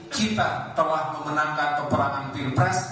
kita telah memenangkan peperangan pilpres